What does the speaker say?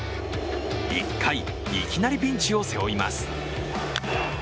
１回、いきなりピンチを背負います。